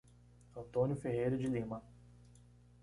Antônio Ferreira de Lima